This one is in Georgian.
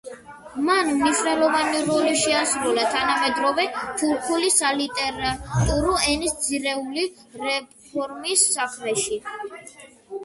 მან მნიშვნელოვანი როლი შეასრულა თანამედროვე თურქული სალიტერატურო ენის ძირეული რეფორმის საქმეში.